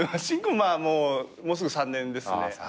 新婚もうすぐ３年ですね。